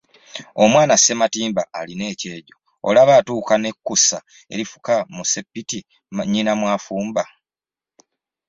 Omwana Ssematimba alina ekyejjo olaba yatuuka nekusa erifuka mu ssepiti nnyina mwafumba.